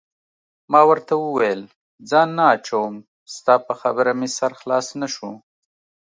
ما ورته وویل: ځان نه اچوم، ستا په خبره مې سر خلاص نه شو.